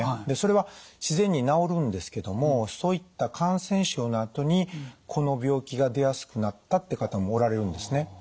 でそれは自然に治るんですけどもそういった感染症のあとにこの病気が出やすくなったって方もおられるんですね。